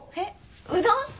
うどん？